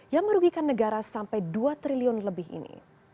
yang merugikan negara sampai dua triliun lebih ini